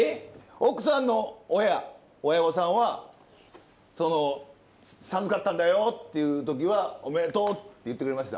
奥さんの親親御さんはその授かったんだよっていう時は「おめでとう」って言ってくれました？